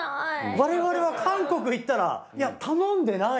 我々は韓国行ったらいや頼んでない。